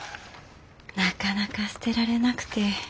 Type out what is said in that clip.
なかなか捨てられなくて。